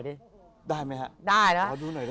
ได้ไหมฮะได้นะ